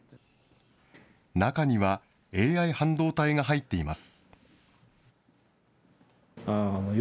中にはＡＩ半導体が入っています。